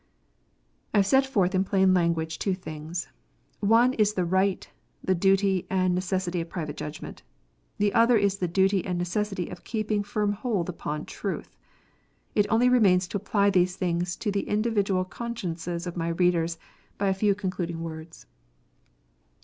I have set forth in plain language two things. One is the right, the duty, and necessity of private judgment. The other is the duty and necessity of keeping firm hold upon truth. It only remains to apply these things to the individual consciences of my readers, by a few concluding words.